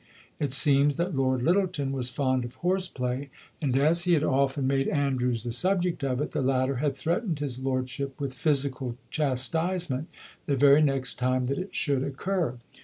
It seems that Lord Lyttelton was fond of horseplay; and, as he had often made Andrews the subject of it, the latter had threatened his lordship with physical chastisement the very next time that it should occur.